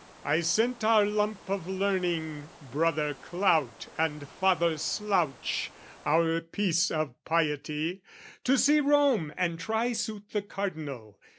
"I sent our lump of learning, Brother Clout, "And Father Slouch, our piece of piety, "To see Rome and try suit the Cardinal.